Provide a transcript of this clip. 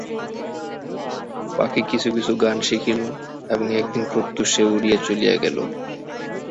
পাখি কিছু কিছু গান শিখিল এবং একদিন প্রত্যুষে উড়িয়া চলিয়া গেল।